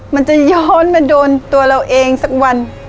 มันจะย้อนมาโดนตัวเราเองสักวัน